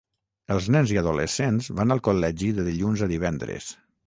Els nens i adolescents van al col·legi de dilluns a divendres.